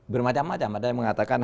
bermacam macam ada yang mengatakan